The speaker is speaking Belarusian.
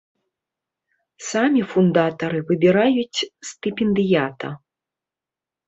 Самі фундатары выбіраюць стыпендыята.